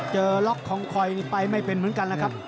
ล็อกของคอยนี่ไปไม่เป็นเหมือนกันนะครับ